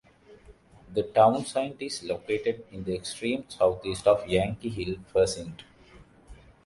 The town site is located in the extreme southeast of Yankee Hill precinct.